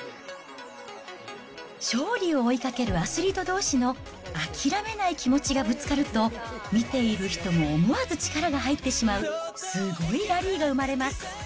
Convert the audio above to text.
勝利を追いかけるアスリートどうしの諦めない気持ちがぶつかると、見ている人も思わず力が入ってしまう、すごいラリーが生まれます。